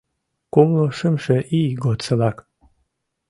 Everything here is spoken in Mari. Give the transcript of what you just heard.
Кумло шымше ий годсылак.